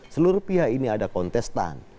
seluruh pihak ini ada kontestan